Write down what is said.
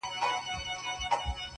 o څه مو کول، چي پلار او نيکه مو کول!